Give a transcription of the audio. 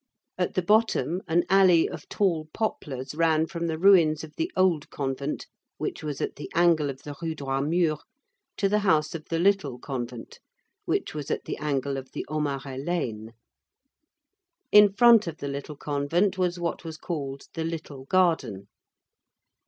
At the bottom, an alley of tall poplars ran from the ruins of the old convent, which was at the angle of the Rue Droit Mur to the house of the Little Convent, which was at the angle of the Aumarais Lane. In front of the Little Convent was what was called the little garden.